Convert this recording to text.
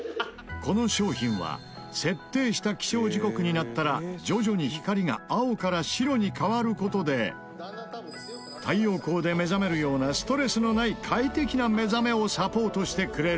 この商品は設定した起床時刻になったら徐々に光が青から白に変わる事で太陽光で目覚めるようなストレスのない快適な目覚めをサポートしてくれるんです」